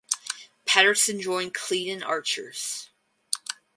Patterson joined Cleadon Archers.